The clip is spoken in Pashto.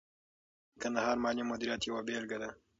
د کندهار مالي مدیریت یوه بیلګه ده.